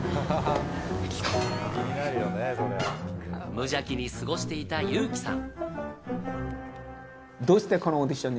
無邪気に過ごしていた裕貴さん。